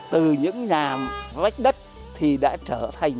từ những nhà vách đất thì đã trở thành